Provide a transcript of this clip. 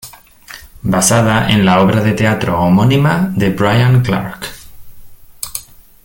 Basada en la obra de teatro homónima de Brian Clark.